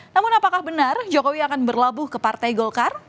namun apakah benar jokowi akan berlabuh ke partai golkar